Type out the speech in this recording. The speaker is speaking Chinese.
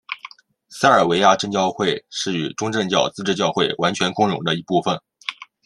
塞尔维亚正教会是与东正教自治教会完全共融的一部分。